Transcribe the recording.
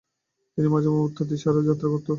তিনি মাঝে মাঝে উত্তর দিশায় যাত্রা করতেন।